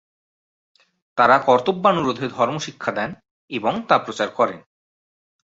তারা কর্তব্যানুরোধে ধর্ম শিক্ষা দেন এবং তা প্রচার করেন।